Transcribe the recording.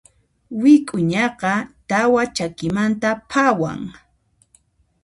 Wik'uñaqa tawa chakimanta phawan.